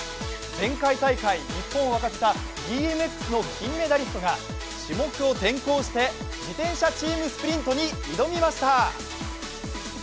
前回大会、日本を沸かせたＢＭＸの金メダリストが種目を転向して自転車チームスプリントに挑みました。